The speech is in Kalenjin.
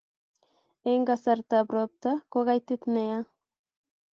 Eng' kasartap ropta ko kaitit nea.